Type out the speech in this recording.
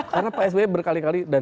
karena pak sby berkali kali